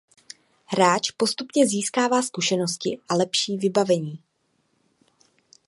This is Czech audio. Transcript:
Hráč postupně získává zkušenosti a lepší vybavení.